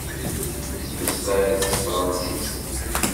Tettmeslayeḍ s tefransist?